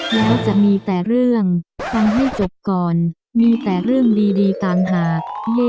แล้วจะมีแต่เรื่องฟังให้จบก่อนมีแต่เรื่องดีต่างหาก